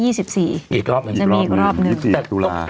ตัวมันที่๒๐อีกรอบหนึ่งจะมีอีกรอบหนึ่งอีกตุลา